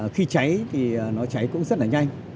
khi cháy thì nó cháy cũng rất là nhanh